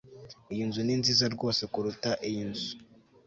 Iyo nzu ni nziza rwose kuruta iyi nzu